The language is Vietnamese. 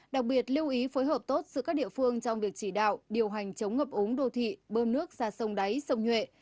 đặc biệt lưu ý phối hợp tốt giữa các địa phương trong việc chỉ đạo điều hành chống ngập úng đô thị bơm nước ra sông đáy sông nhuệ